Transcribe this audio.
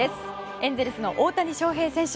エンゼルスの大谷翔平選手